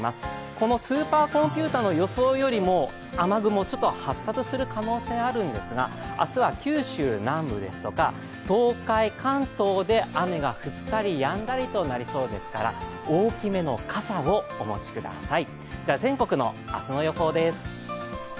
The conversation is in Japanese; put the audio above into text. このスーパーコンピューターの予想よりも、雨雲、ちょっと発達する予想があるんですが、明日は九州南部や東海、関東で雨が降ったりやんだりとなりそうですから大きめの傘をお持ちください。